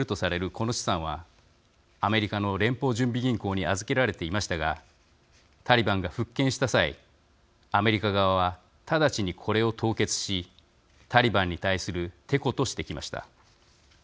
この資産はアメリカの連邦準備銀行に預けられていましたがタリバンが復権した際アメリカ側は直ちにこれを凍結しタリバンに対するてことしてきました。